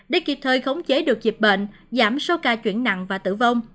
để kịp thời khống chế được dịch bệnh giảm số ca chuyển nặng và tử vong